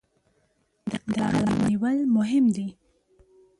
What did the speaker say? د قلم نیول مهم دي.